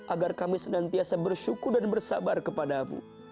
agar kami senantiasa bersyukur dan bersabar kepada mu